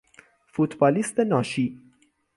فوتبالیست ناشی